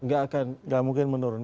gak akan gak mungkin menurun